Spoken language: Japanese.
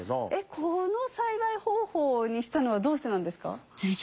この栽培方法にしたのはどうしてなんですか？